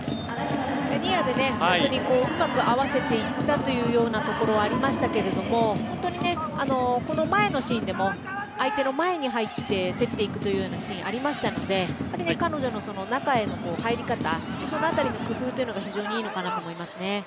ニアでうまく合わせていったというようなところがありましたが本当に、その前のシーンでも相手の前に入って競っていくようなシーンありましたので本当に彼女の中への入り方そのあたりの工夫が非常にいいのかなと思いますね。